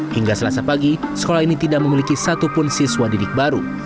hingga selasa pagi sekolah ini tidak memiliki satupun siswa didik baru